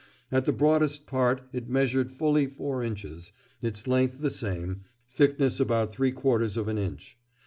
At the broadest part it measured fully four inches, its length the same, thickness about three quarters of an inch.